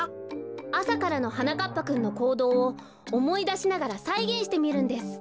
あさからのはなかっぱくんのこうどうをおもいだしながらさいげんしてみるんです。